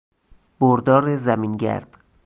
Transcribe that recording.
بردار زمینگرد